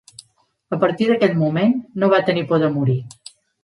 A partir d'aquell moment, no va tenir por de morir.